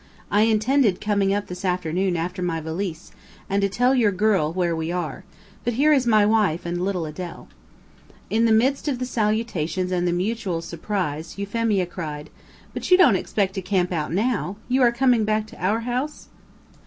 I intended coming up this afternoon after my valise, and to tell your girl where we are. But here is my wife and little Adele." In the midst of the salutations and the mutual surprise, Euphemia cried: "But you don't expect to camp out, now? You are coming back to our house?"